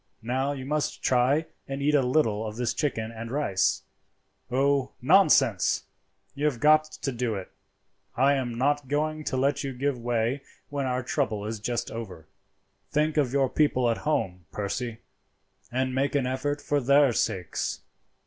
Now you must try and eat a little of this chicken and rice. Oh, nonsense! you have got to do it. I am not going to let you give way when our trouble is just over. "Think of your people at home, Percy, and make an effort for their sakes.